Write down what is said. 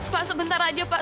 pak sebentar aja pak